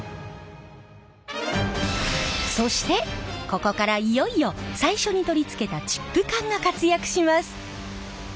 そしてここからいよいよ最初に取り付けたチップ管が活躍します。